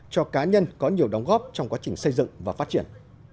cho cá nhân có nhiều đóng góp trong quá trình xây dựng và phát triển